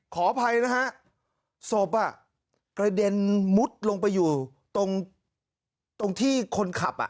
ขออภัยนะฮะศพกระเด็นมุดลงไปอยู่ตรงตรงที่คนขับอ่ะ